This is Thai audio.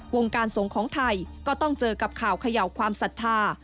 วงการสงฆ์ของไทยก็ต้องเจอกับข่าวเขย่าความศรัทธา